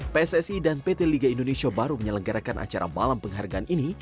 pssi dan pt liga indonesia baru menyelenggarakan acara malam penghargaan ini